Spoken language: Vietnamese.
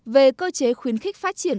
về cơ chế khuyến khích phát triển